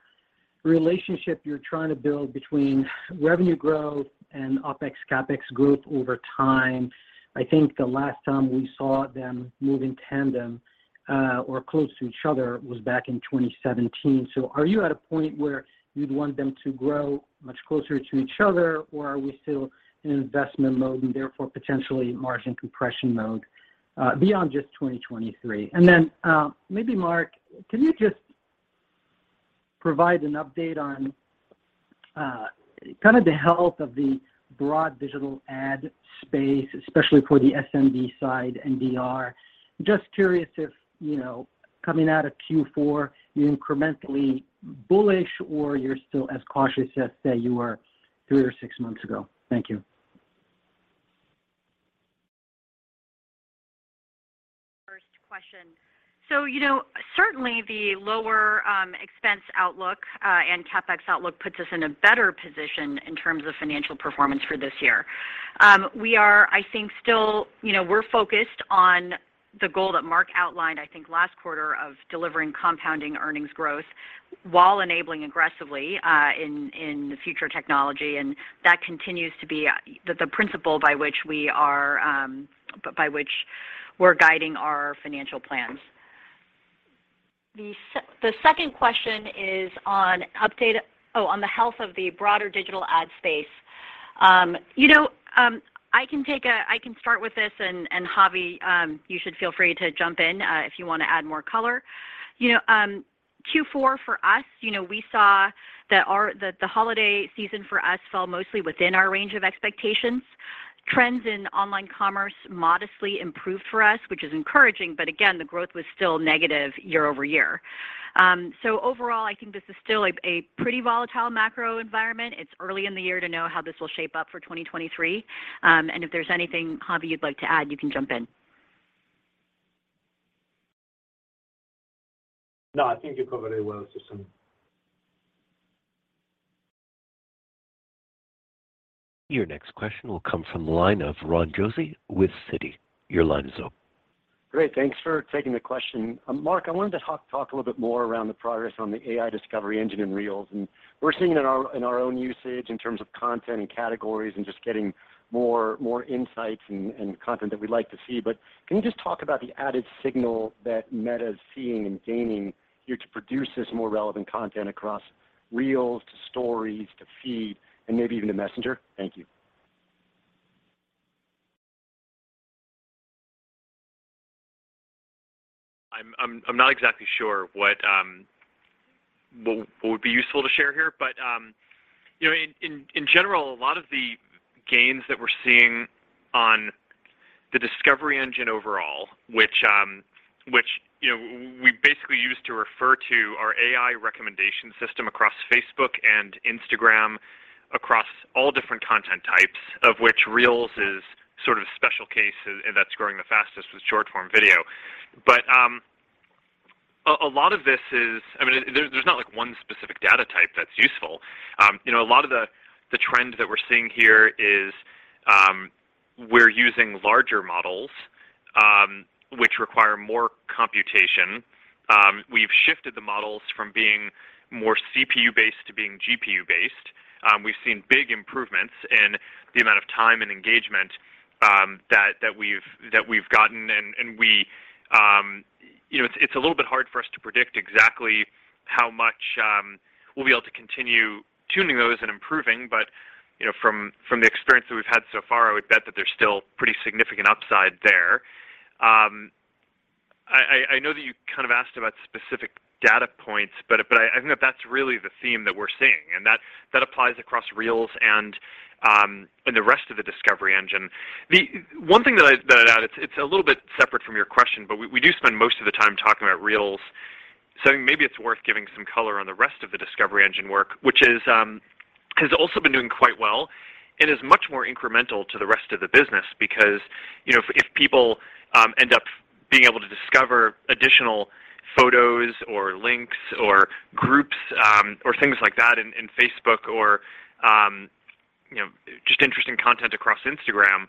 relationship you're trying to build between revenue growth and OpEx, CapEx growth over time? I think the last time we saw them move in tandem, or close to each other was back in 2017. Are you at a point where you'd want them to grow much closer to each other, or are we still in investment mode and therefore potentially margin compression mode, beyond just 2023? Maybe Mark, can you just provide an update on kind of the health of the broad digital ad space, especially for the SMB side and DR? Just curious if, you know, coming out of Q4, you're incrementally bullish or you're still as cautious as, say, you were three or six months ago. Thank you. First question. You know, certainly the lower expense outlook and CapEx outlook puts us in a better position in terms of financial performance for this year. We are, I think, still. You know, we're focused on the goal that Mark outlined, I think last quarter of delivering compounding earnings growth while enabling aggressively in the future technology, that continues to be the principle by which we're guiding our financial plans. The second question is on the health of the broader digital ad space. You know, I can start with this, Javi, you should feel free to jump in if you wanna add more color. You know, Q4 for us, you know, we saw that the holiday season for us fell mostly within our range of expectations. Trends in online commerce modestly improved for us, which is encouraging, but again, the growth was still negative year-over-year. Overall, I think this is still a pretty volatile macro environment. It's early in the year to know how this will shape up for 2023. If there's anything, Javi, you'd like to add, you can jump in. No, I think you covered it well, Susan. Your next question will come from the line of Ron Josey with Citi. Your line is open. Great. Thanks for taking the question. Mark, I wanted to talk a little bit more around the progress on the AI discovery engine in Reels. We're seeing in our, in our own usage in terms of content and categories and just getting more insights and content that we'd like to see. Can you just talk about the added signal that Meta is seeing and gaining here to produce this more relevant content across Reels to Stories to Feed and maybe even to Messenger? Thank you. I'm not exactly sure what would be useful to share here. You know, in general, a lot of the gains that we're seeing on the discovery engine overall, which, you know, we basically use to refer to our AI recommendation system across Facebook and Instagram, across all different content types, of which Reels is sort of a special case and that's growing the fastest with short-form video. I mean, there's not like one specific data type that's useful. You know, a lot of the trend that we're seeing here is, we're using larger models, which require more computation. We've shifted the models from being more CPU-based to being GPU-based. We've seen big improvements in the amount of time and engagement that we've gotten. We, you know, it's a little bit hard for us to predict exactly how much we'll be able to continue tuning those and improving. But, you know, from the experience that we've had so far, I would bet that there's still pretty significant upside there. I know that you kind of asked about specific data points, but I think that that's really the theme that we're seeing, and that applies across Reels and the rest of the discovery engine. The one thing that I'd add, it's a little bit separate from your question, but we do spend most of the time talking about Reels, so maybe it's worth giving some color on the rest of the discovery engine work. Which has also been doing quite well and is much more incremental to the rest of the business because, you know, if people end up being able to discover additional photos or links or groups or things like that in Facebook or, you know, just interesting content across Instagram,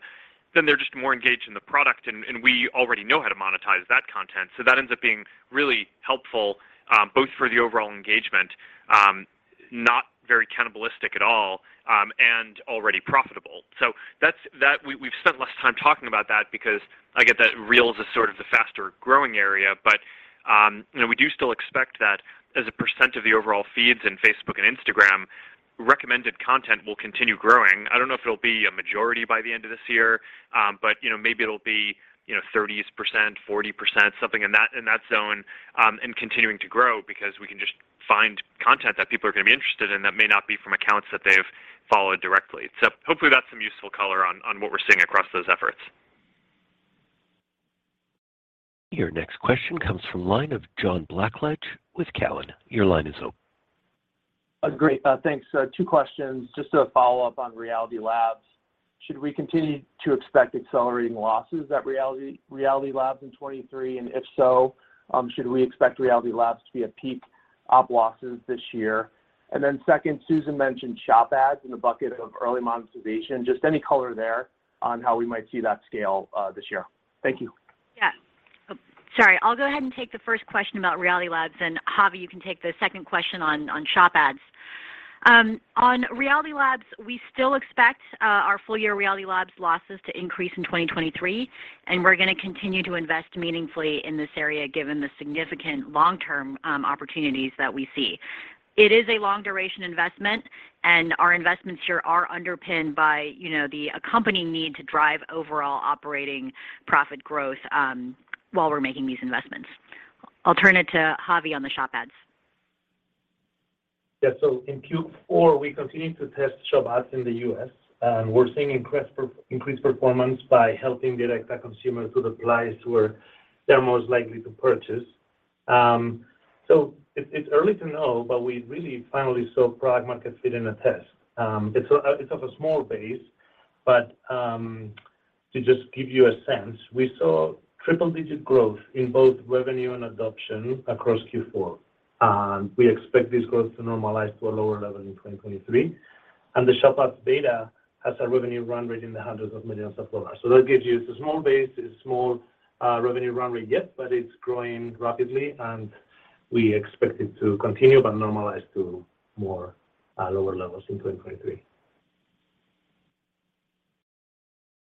then they're just more engaged in the product and we already know how to monetize that content. That ends up being really helpful, both for the overall engagement, not very cannibalistic at all, and already profitable. We've spent less time talking about that because I get that Reels is sort of the faster-growing area. You know, we do still expect that as a percent of the overall feeds in Facebook and Instagram, recommended content will continue growing. I don't know if it'll be a majority by the end of this year, but, you know, maybe it'll be, you know, 30%, 40%, something in that, in that zone, and continuing to grow because we can just find content that people are gonna be interested in that may not be from accounts that they've followed directly. Hopefully that's some useful color on what we're seeing across those efforts. Your next question comes from line of John Blackledge with Cowen. Your line is open. Great. Thanks. Two questions. Just a follow-up on Reality Labs. Should we continue to expect accelerating losses at Reality Labs in 2023? If so, should we expect Reality Labs to be at peak op losses this year? Second, Susan mentioned Shop ads in the bucket of early monetization. Just any color there on how we might see that scale this year? Thank you. Yeah. Sorry. I'll go ahead and take the first question about Reality Labs, and Javi, you can take the second question on shop ads. On Reality Labs, we still expect our full year Reality Labs losses to increase in 2023, and we're gonna continue to invest meaningfully in this area given the significant long-term opportunities that we see. It is a long-duration investment, and our investments here are underpinned by, you know, the accompanying need to drive overall operating profit growth while we're making these investments. I'll turn it to Javi on the shop ads. Yeah. In Q4, we continued to test Shop ads in the U.S., we're seeing increased performance by helping direct a consumer to the place where they're most likely to purchase. It's early to know, we really finally saw product market fit in a test. It's of a small base, to just give you a sense, we saw triple-digit growth in both revenue and adoption across Q4. We expect this growth to normalize to a lower level in 2023. The Shop ads beta has a revenue run rate in the hundreds of millions of dollars. That gives you, it's a small base, it's small revenue run rate yet, but it's growing rapidly, and we expect it to continue but normalize to more lower levels in 2023.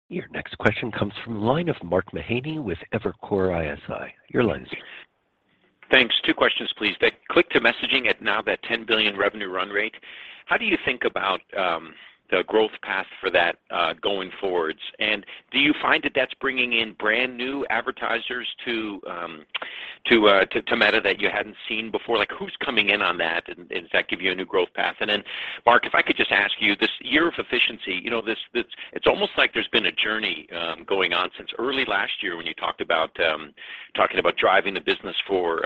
Your next question comes from the line of Mark Mahaney with Evercore ISI. Your line is open. Thanks. Two questions, please. The Click-to-Message ad now that $10 billion revenue run rate, how do you think about the growth path for that going forwards? Do you find that that's bringing in brand-new advertisers to Meta that you hadn't seen before? Like, who's coming in on that, and does that give you a new growth path? Mark, if I could just ask you, this year of efficiency, you know, it's almost like there's been a journey going on since early last year when you talked about talking about driving the business for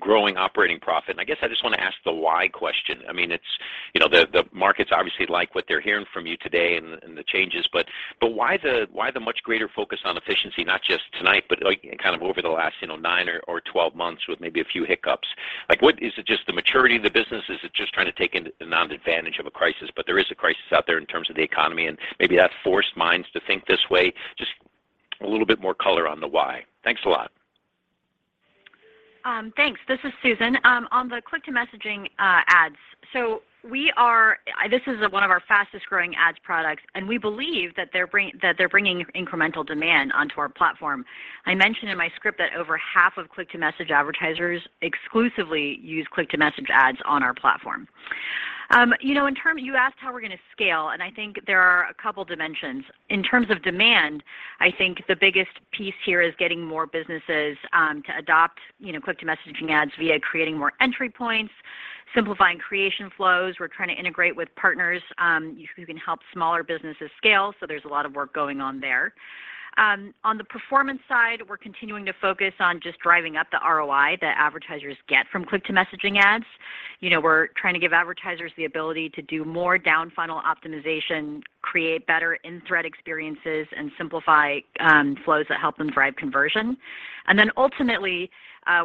growing operating profit. I guess I just wanna ask the why question. I mean, it's, you know, the markets obviously like what they're hearing from you today and the changes, but why the much greater focus on efficiency, not just tonight, but like, kind of over the last, you know, nine or 12 months with maybe a few hiccups? Like, what? Is it just the maturity of the business? Is it just trying to take advantage of a crisis, but there is a crisis out there in terms of the economy, and maybe that's forced minds to think this way? Just a little bit more color on the why. Thanks a lot. Thanks. This is Susan. On the Click-to-Message ads. This is one of our fastest-growing ads products, and we believe that they're bringing incremental demand onto our platform. I mentioned in my script that over Click-to-Message advertisers exclusively use Click-to-Message ads on our platform. You know, you asked how we're gonna scale, and I think there are a couple dimensions. In terms of demand, I think the biggest piece here is getting more businesses, to adopt Click-to-Message ads via creating more entry points, simplifying creation flows. We're trying to integrate with partners who can help smaller businesses scale, so there's a lot of work going on there. On the performance side, we're continuing to focus on just driving up the ROI that advertisers get from Click-to-Message ads. You know, we're trying to give advertisers the ability to do more down-funnel optimization, create better in-thread experiences, and simplify flows that help them drive conversion. Ultimately,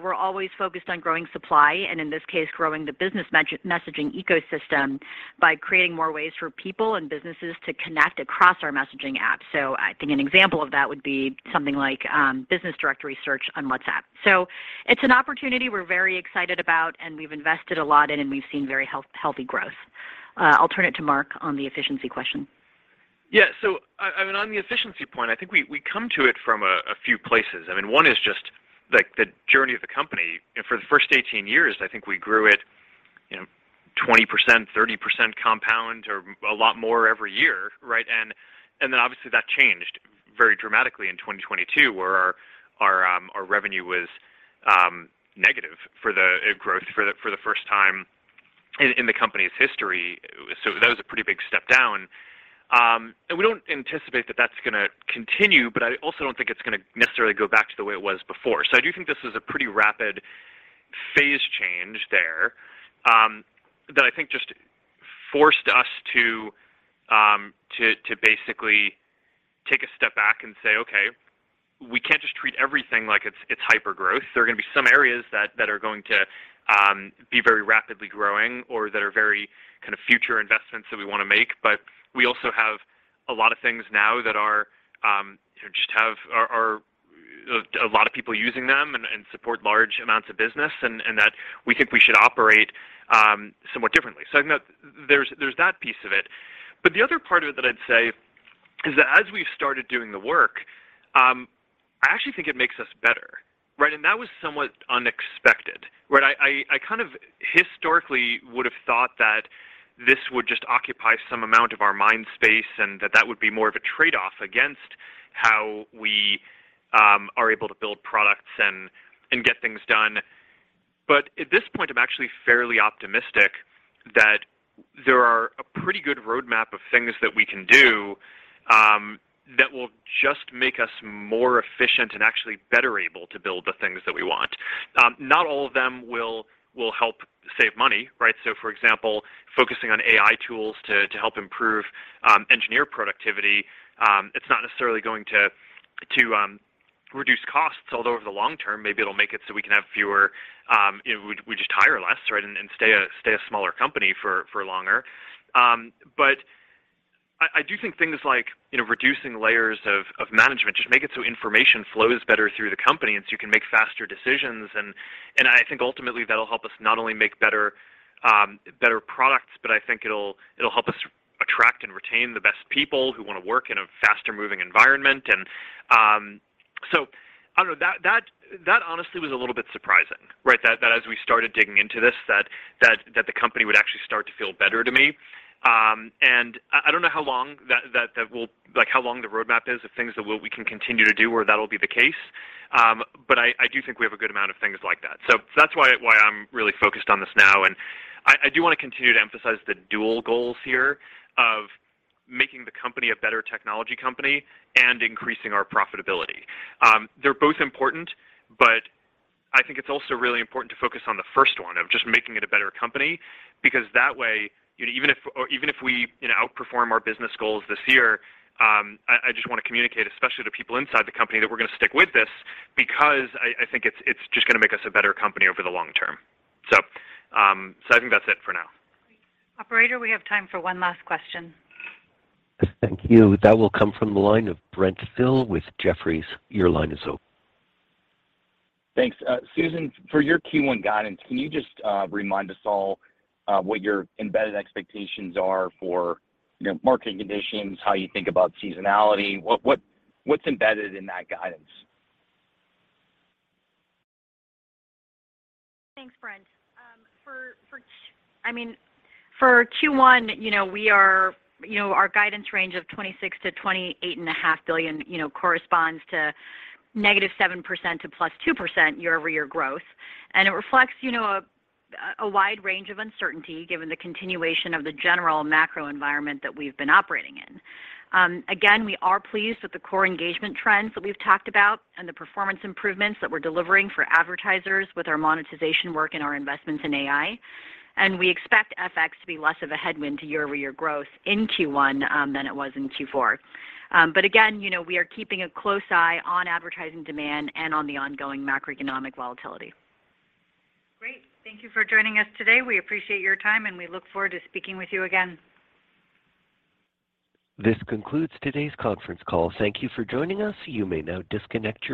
we're always focused on growing supply, and in this case, growing the business messaging ecosystem by creating more ways for people and businesses to connect across our messaging apps. I think an example of that would be something like business directory search on WhatsApp. It's an opportunity we're very excited about, and we've invested a lot in, and we've seen very healthy growth. I'll turn it to Mark on the efficiency question. Yeah. I mean, on the efficiency point, I think we come to it from a few places. I mean, one is just like the journey of the company. For the first 18 years, I think we grew it, you know, 20%, 30% compound or a lot more every year, right? Then obviously that changed very dramatically in 2022, where our revenue was negative for the growth for the first time in the company's history. That was a pretty big step down. We don't anticipate that that's gonna continue, but I also don't think it's gonna necessarily go back to the way it was before. I do think this is a pretty rapid phase change there, that I think just forced us to basically take a step back and say, "Okay, we can't just treat everything like it's hypergrowth." There are gonna be some areas that are going to be very rapidly growing or that are very kind of future investments that we wanna make. We also have a lot of things now that are, you know, just have a lot of people using them and support large amounts of business, and that we think we should operate somewhat differently. I think that there's that piece of it. The other part of it that I'd say is that as we've started doing the work, I actually think it makes us better, right? That was somewhat unexpected. Right? I kind of historically would have thought that this would just occupy some amount of our mind space and that that would be more of a trade-off against how we are able to build products and get things done. At this point, I'm actually fairly optimistic that there are a pretty good roadmap of things that we can do that will just make us more efficient and actually better able to build the things that we want. Not all of them will help save money, right? For example, focusing on AI tools to help improve engineer productivity, it's not necessarily going to reduce costs, although over the long term, maybe it'll make it so we can have fewer, you know... We just hire less, right? Stay a smaller company for longer. I do think things like, you know, reducing layers of management just make it so information flows better through the company, and so you can make faster decisions. I think ultimately that'll help us not only make better products, but I think it'll help us attract and retain the best people who wanna work in a faster moving environment. I don't know. That honestly was a little bit surprising, right? That as we started digging into this, that the company would actually start to feel better to me. I don't know. Like, how long the roadmap is of things that we can continue to do where that'll be the case. I do think we have a good amount of things like that. That's why I'm really focused on this now. I do wanna continue to emphasize the dual goals here of making the company a better technology company and increasing our profitability. They're both important, but I think it's also really important to focus on the first one of just making it a better company, because that way, you know, even if we, you know, outperform our business goals this year, I just wanna communicate, especially to people inside the company, that we're gonna stick with this because I think it's just gonna make us a better company over the long term. I think that's it for now. Operator, we have time for one last question. Thank you. That will come from the line of Brent Thill with Jefferies. Your line is open. Thanks. Susan, for your Q1 guidance, can you just remind us all what your embedded expectations are for, you know, market conditions, how you think about seasonality? What's embedded in that guidance? Thanks, Brent. I mean, for Q1, you know, we are, you know, our guidance range of $26 billion to $28.5 billion, you know, corresponds to -7% to +2% year-over-year growth. It reflects, you know, a wide range of uncertainty given the continuation of the general macro environment that we've been operating in. Again, we are pleased with the core engagement trends that we've talked about and the performance improvements that we're delivering for advertisers with our monetization work and our investments in AI. We expect FX to be less of a headwind to year-over-year growth in Q1 than it was in Q4. Again, you know, we are keeping a close eye on advertising demand and on the ongoing macroeconomic volatility. Great. Thank you for joining us today. We appreciate your time, and we look forward to speaking with you again. This concludes today's conference call. Thank you for joining us. You may now disconnect your lines.